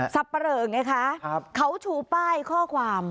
ปะเหลอไงคะเขาชูป้ายข้อความ